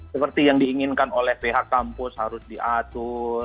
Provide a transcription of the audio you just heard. seperti yang diinginkan oleh pihak kampus harus diatur